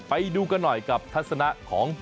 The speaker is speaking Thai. ไปดูกันหน่อยกับทัศนะของ